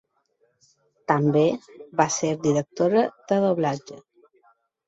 També va ser directora de doblatge.